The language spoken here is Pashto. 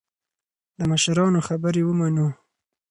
د مشرانو خبرې ومنو.